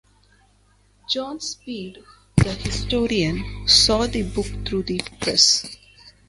John Speed, the historian, saw the book through the press.